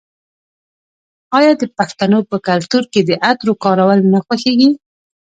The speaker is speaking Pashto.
آیا د پښتنو په کلتور کې د عطرو کارول نه خوښیږي؟